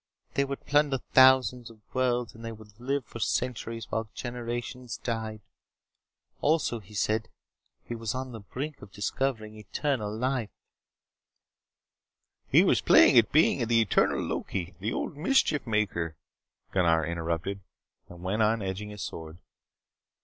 They would plunder thousands of worlds and they would live for centuries while generations died. Also, he said, he was on the brink of discovering eternal life " "He was playing at being the eternal Loki the old mischief maker " Gunnar interrupted and went on edging his sword.